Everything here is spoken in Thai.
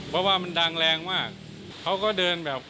เพราะว่ามันดังแรงมากเขาก็เดินแบบ